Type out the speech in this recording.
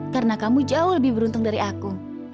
karena kamu jauh lebih beruntung dari aku